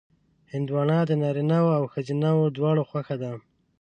هندوانه د نارینهوو او ښځینهوو دواړو خوښه ده.